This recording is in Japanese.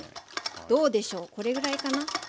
どうでしょうこれぐらいかな。